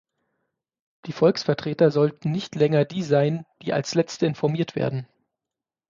Die Volksvertreter sollten nicht länger die sein, die als letzte informiert werden.